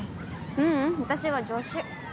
ううん私は助手。